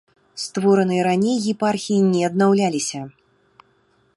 Створаныя раней епархіі не аднаўляліся.